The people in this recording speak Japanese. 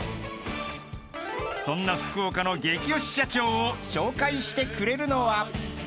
［そんな福岡のゲキオシ社長を紹介してくれるのは］